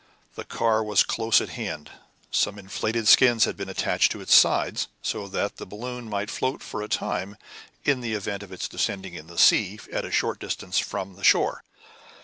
The car was close at hand. Some inflated skins had been attached to its sides, so that the balloon might float for a time, in the event of its descending in the sea at a short distance from the shore.